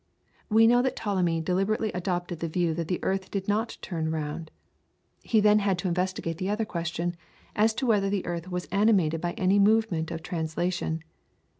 We know that Ptolemy deliberately adopted the view that the earth did not turn round; he had then to investigate the other question, as to whether the earth was animated by any movement of translation.